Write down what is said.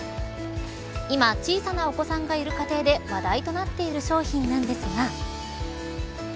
今、小さなお子さんがいる家庭で話題となっている商品なんですが。